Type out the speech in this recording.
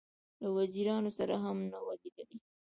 له وزیرانو سره هم نه وه لیدلې.